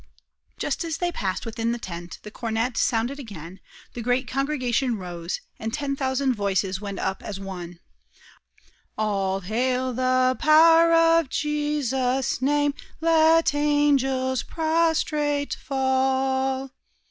Just as they passed within the tent, the cornet sounded again, the great congregation rose, and ten thousand voices went up as one: "All hail the power of Jesus' name, Let angels prostrate fall!"